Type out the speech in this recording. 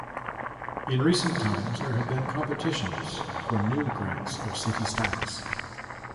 In recent times there have been competitions for new grants of city status.